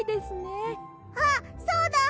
あっそうだ！